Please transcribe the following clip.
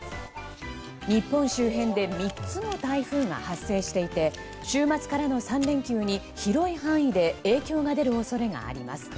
日本周辺で３つの台風が発生していて週末からの３連休に広い範囲で影響が出る恐れがあります。